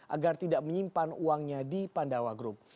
agar tidak menyimpan uangnya di pandawa group